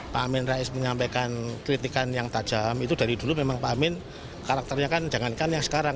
pak amin rais menyampaikan kritikan yang tajam itu dari dulu memang pak amin karakternya kan jangankan yang sekarang